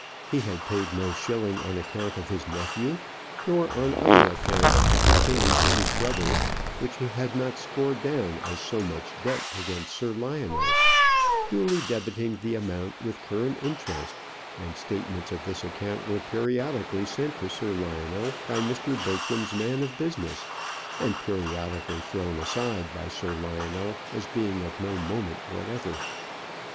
He had paid no shilling on account of his nephew, or on other accounts appertaining to his brother, which he had not scored down as so much debt against Sir Lionel, duly debiting the amount with current interest; and statements of this account were periodically sent to Sir Lionel by Mr. Bertram's man of business, and periodically thrown aside by Sir Lionel, as being of no moment whatsoever.